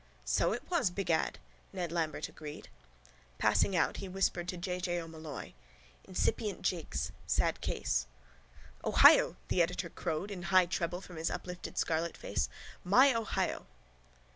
—So it was, begad, Ned Lambert agreed. Passing out he whispered to J. J. O'Molloy: —Incipient jigs. Sad case. —Ohio! the editor crowed in high treble from his uplifted scarlet face. My Ohio!